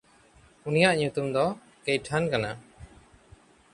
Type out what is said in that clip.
ᱩᱱᱤᱭᱟᱜ ᱧᱩᱛᱩᱢ ᱫᱚ ᱠᱮᱭᱴᱷᱟᱱ ᱠᱟᱱᱟ᱾